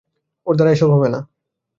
ওর দ্বারা এসব হবে না।